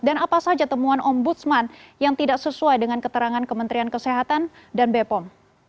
dan apa saja temuan om budsman yang tidak sesuai dengan keterangan kementerian kesehatan dan bepom